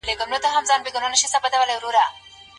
طلاق څنګه عمل دی؟